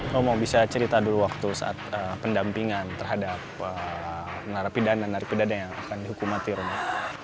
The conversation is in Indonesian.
romo bisa cerita dulu waktu saat pendampingan terhadap narapidana narapidana yang akan dihukum mati romo